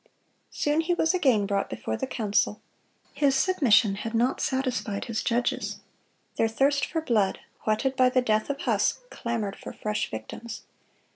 Soon he was again brought before the council. His submission had not satisfied his judges. Their thirst for blood, whetted by the death of Huss, clamored for fresh victims.